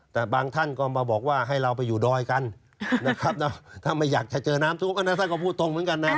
แต่บางท่านก็มาบอกว่าให้เราไปอยู่ดอยกันนะครับถ้าไม่อยากจะเจอน้ำท่วมท่านก็พูดตรงเหมือนกันนะ